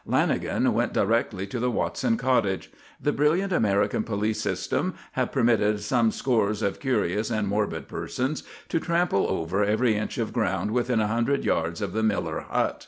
Lanagan went directly to the Watson cottage. The brilliant American police system had permitted some scores of curious and morbid persons to trample over every inch of ground within a hundred yards of the Miller hut.